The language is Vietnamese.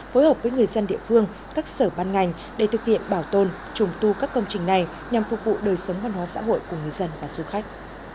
phối hợp với người dân địa phương các sở ban ngành để thực hiện bảo tồn trùng tu các công trình này nhằm phục vụ đời sống văn hóa xã hội của người dân và du khách